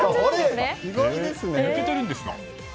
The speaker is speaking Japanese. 抜けてるんですか。